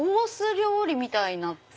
料理みたいなって。